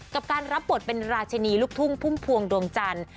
กับการรับบทเป็นราชินีลูกทุ่งพุ่มพวงดวงจันทร์